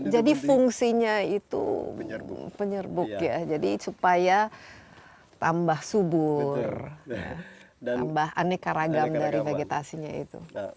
jadi fungsinya itu penyerbuk ya supaya tambah subur tambah anekaragam dari vegetasinya itu